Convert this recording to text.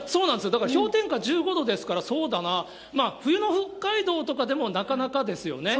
だから、氷点下１５度ですから、そうだなぁ、冬の北海道でもなかなかですよね。